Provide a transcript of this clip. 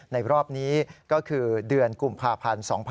รอบนี้ก็คือเดือนกุมภาพันธ์๒๕๖๒